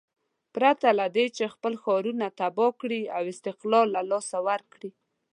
پرته له دې چې خپل ښارونه تباه کړي او استقلال له لاسه ورکړي.